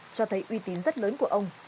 cho thấy uy tín rất lớn của ông